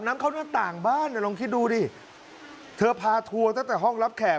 น้ำเข้าหน้าต่างบ้านลองคิดดูดิเธอพาทัวร์ตั้งแต่ห้องรับแขก